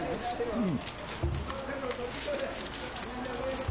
うん？